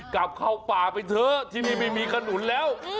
กลับเข้าป่าไปเถอะที่นี่ไม่มีขนุนแล้ว